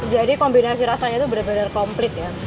jadi kombinasi rasanya itu benar benar komplit ya